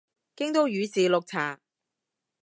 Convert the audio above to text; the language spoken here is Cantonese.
京都宇治綠茶